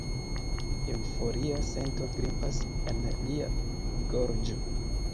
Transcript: Eŭforia sento grimpas en lia gorĝo.